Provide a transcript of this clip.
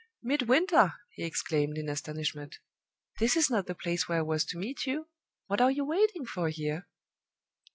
"Midwinter!" he exclaimed, in astonishment. "This is not the place where I was to meet you! What are you waiting for here?"